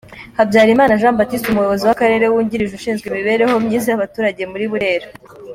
Habyarimana Jean Baptiste umuyobozi w'akarere wungirije ushinzwe imibereho myiza y'abaturage muri Burera.